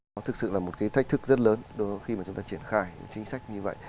nó thực sự là một cái thách thức rất lớn đối với khi mà chúng ta triển khai chính sách như vậy